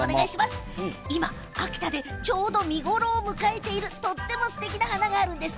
今、秋田でちょうど見頃を迎えているとってもすてきな花があるんです。